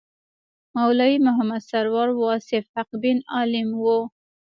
مولوي محمد سرور واصف حقبین عالم و.